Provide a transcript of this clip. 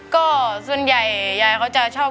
ก็ส่วนใหญ่ยายเขาจะชอบ